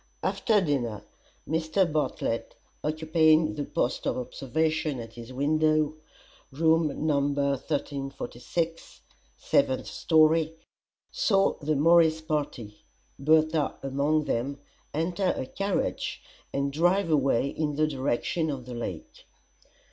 After dinner Mr. Bartlett, occupying the post of observation at his window (room No. 1346, seventh story), saw the Morris party Bertha among them enter a carriage and drive away in the direction of the Lake.